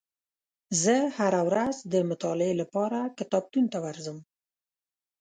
زه هره ورځ د مطالعې لپاره کتابتون ته ورځم.